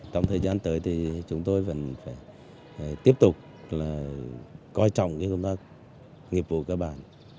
trong thời gian tới thì chúng tôi vẫn phải tiếp tục coi trọng công tác nghiệp vụ các bạn